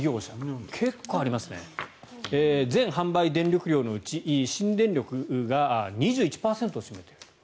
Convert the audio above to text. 全販売電力量のうち新電力が２１％を占めている。